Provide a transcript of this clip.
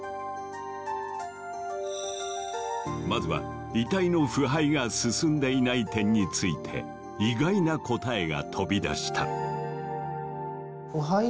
まずは遺体の腐敗が進んでいない点について意外な答えが飛び出した。